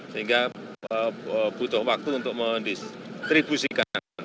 sehingga butuh waktu untuk mendistribusikan